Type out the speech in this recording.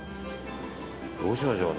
どうしましょう。